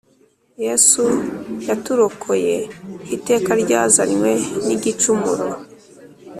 Yesu yaturokoye iteka ryazanywe n igicumuro